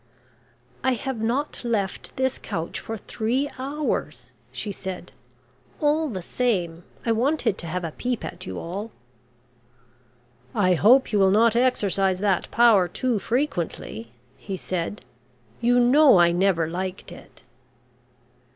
"I have not left this couch for three hours," she said. "All the same, I wanted to have a peep at you all." "I hope you will not exercise that power too frequently," he said. "You know I never liked it."